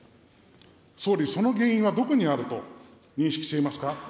総理、その原因はどこにあると認識していますか。